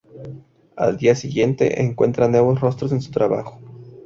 Al día siguiente, encuentra nuevos rostros en su trabajo.